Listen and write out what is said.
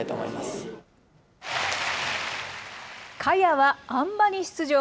萱はあん馬に出場。